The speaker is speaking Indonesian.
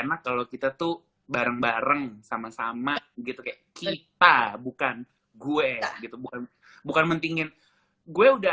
anak kalau kita tuh bareng bareng sama sama gitu kayak kita bukan gue gitu bukan bukan mendingin gue udah